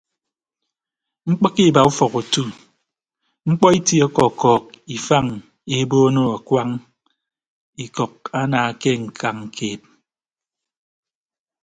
Mkpịkke iba ufọk otu mkpọ itie ọkọkọọk ifañ ebono akuañ ikʌk ana ke ñkañ keed.